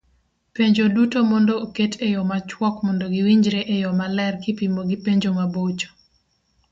Penjo duto mondo oket eyo machuok mondo giwinjore eyo maler kipimo gi penjo mabocho